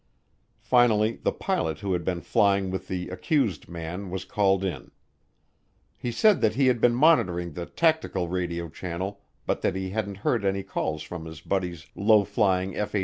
Finally the pilot who had been flying with the "accused" man was called in. He said that he had been monitoring the tactical radio channel but that he hadn't heard any calls from his buddy's low flying F 86.